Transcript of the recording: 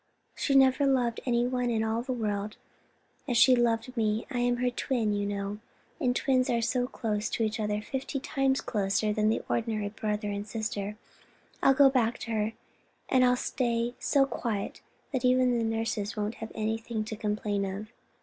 She never loved anyone in all the world as she loved me. I am her twin, you know, and twins are so close to each other, fifty times closer than the ordinary brother and sister. I'll go back to her, and I'll stay so quiet that even the nurses won't have anything to complain of.